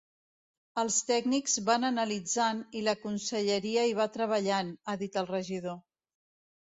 Els tècnics van analitzant i la conselleria hi va treballant, ha dit el regidor.